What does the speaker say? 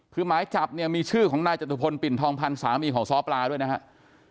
คือหมายจับเนี่ยมีชื่อของนายจตุพลปิ่นทองพันธ์สามีของซ้อปลาด้วยนะครับ